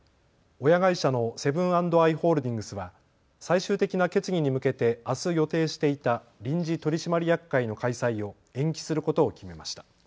親会社のセブン＆アイ・ホールディングスは最終的な決議に向けてあす予定していた臨時取締役会の開催を延期することを決めました。